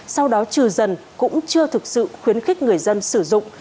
sau đó trừ dần cũng chưa thực sự khuyến khích người dân sử dụng